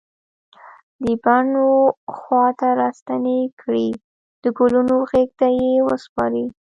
د بڼ و خواته راستنې کړي د ګلونو غیږ ته یې وسپاری